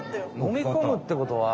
飲み込むってことは。